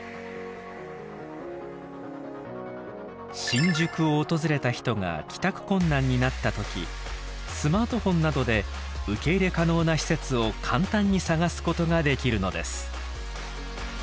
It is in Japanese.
新宿を訪れた人が帰宅困難になった時スマートフォンなどで受け入れ可能な施設を簡単に探すことができるのです。